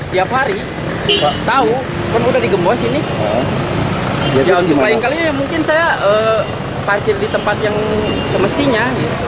lain kali mungkin saya parkir di tempat yang semestinya